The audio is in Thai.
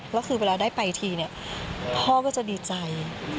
แล้วคือเวลาได้ไปทีเนี่ยพ่อก็จะดีใจ